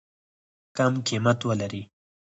کم قیمت ولري.